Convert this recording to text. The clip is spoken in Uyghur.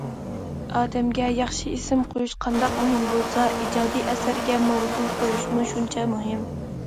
ئادەمگە ياخشى ئىسىم قويۇش قانداق مۇھىم بولسا، ئىجادىي ئەسەرگە ماۋزۇ قويۇشمۇ شۇنچە مۇھىم.